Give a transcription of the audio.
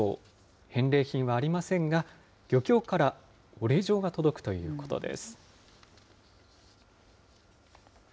返礼品はありませんが、漁協からお礼状が届くということです。